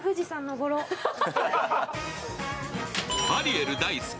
アリエル大好き。